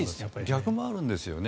逆もあるんですよね。